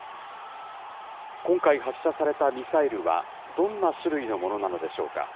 今回、発射されたミサイルは、どんな種類のものなのでしょうか。